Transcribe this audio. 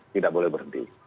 tidak boleh berhenti